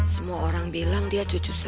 semua orang bilang dia cucu saya